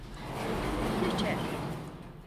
Geçer.